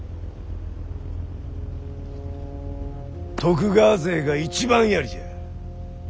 徳川勢が一番槍じゃ。